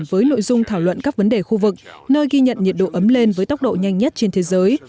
với nội dung thảo luận các vấn đề khu vực nơi ghi nhận nhiệt độ ấm lên với tốc độ nhanh nhất trên thế giới